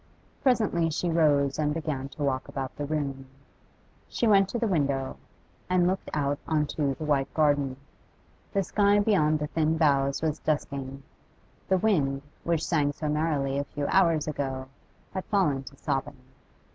Presently she rose and began to walk about the room; she went to the window, and looked out on to the white garden. The sky beyond the thin boughs was dusking; the wind, which sang so merrily a few hours ago, had fallen to sobbing.